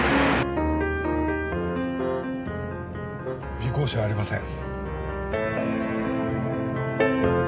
尾行車はありません。